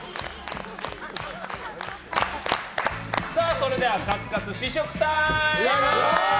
それではカツカツ試食タイム。